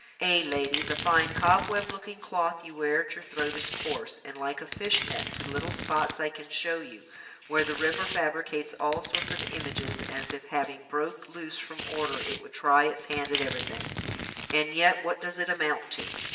Ay, lady, the fine cobweb looking cloth you wear at your throat is coarse, and like a fishnet, to little spots I can show you, where the river fabricates all sorts of images, as if having broke loose from order, it would try its hand at everything. And yet what does it amount to!